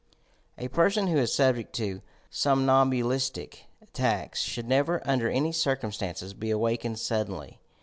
A person who is subject to somnambulistic attacks should never under any circum stances be awakened suddenly.